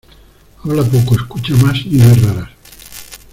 Habla poco, escucha más y no errarás.